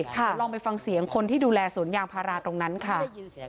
เดี๋ยวลองไปฟังเสียงคนที่ดูแลสวนยางพาราตรงนั้นค่ะ